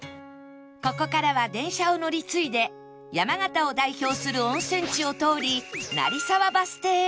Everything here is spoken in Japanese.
ここからは電車を乗り継いで山形を代表する温泉地を通り成沢バス停へ